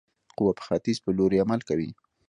قوه په ختیځ په لوري عمل کوي.